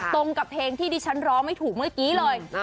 ตรงกับเพลงที่ดิฉันร้องไม่ถูกเมื่อกี้เลย